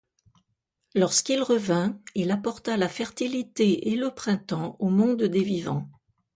Lorsqu'il revint, il apporta la fertilité et le printemps au monde des vivants.